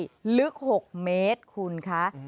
ลึก๖เมตรคุณคะ